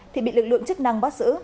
thì bị lực lượng chức năng bắt giữ